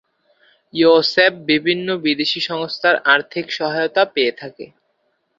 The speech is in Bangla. ইউসেপ বিভিন্ন বিদেশি সংস্থার আর্থিক সহায়তা পেয়ে থাকে।